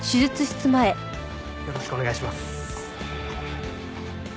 よろしくお願いします。